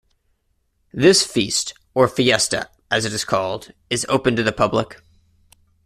This feast, or "fiesta", as it is called, is open to the public.